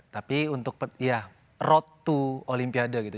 tapi untuk ya road to olimpiade gitu